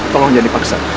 tolong jangan dipaksa